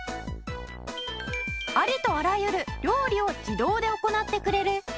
ありとあらゆる料理を自動で行ってくれる。